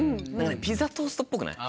ピザトーストっぽくない？